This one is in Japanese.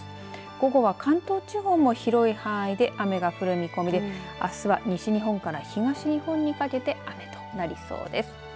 午後は関東地方も広い範囲で雨が降る見込みであすは西日本から東日本にかけて雨となりそうです。